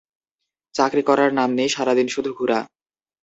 চাকরি করার নাম নেই, সারাদিন শুধু ঘুরা।